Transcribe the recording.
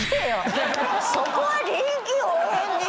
そこは臨機応変に。